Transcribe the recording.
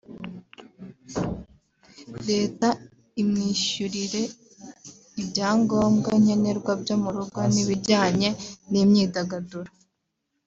Leta imwishyurire ibyangobwa nkenerwa byo mu rugo n’ibijyanye n’imyidagaduro